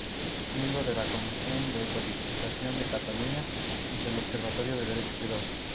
Miembro de la Comisión de Codificación de Cataluña y del Observatorio de Derecho Privado.